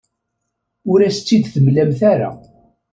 Ur as-tt-id-temlamt ara.